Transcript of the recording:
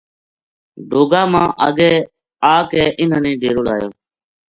ڈوگا ما آ کے اِنھاں نے ڈیرو لایو